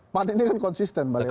pan ini kan konsisten balai lua